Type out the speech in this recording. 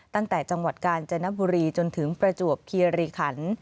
ตั้งแต่จังหวัดกาญจนบุรีจนถึงประจวบคีรีขัน